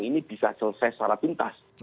ini bisa selesai secara tuntas